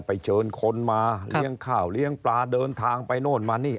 เชิญคนมาเลี้ยงข้าวเลี้ยงปลาเดินทางไปโน่นมานี่